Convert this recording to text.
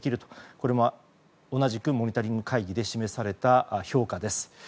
これは同じくモニタリング会議で示された評価です。